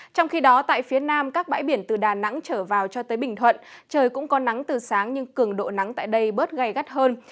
trong khi đó tại phía nam các bãi biển từ đà nẵng trở vào cho tới bình thuận trời cũng có nắng từ sáng nhưng cường độ nắng tại đây bớt gai gắt hơn